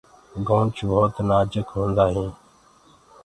گنوُچ ڀوت نآجُڪ هوندآ هينٚ۔